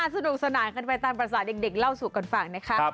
อ่าสนุกสนานกันไปตามภาษาเด็กเล่าสุขก่อนฝากนะคะ